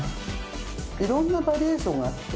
いろんなバリエーションがあって。